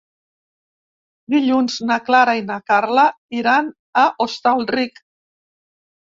Dilluns na Clara i na Carla iran a Hostalric.